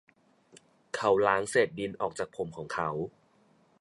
เขาล้างเศษดินออกจากผมของเขา